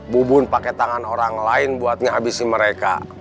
bubun pake tangan orang lain buat ngehabisi mereka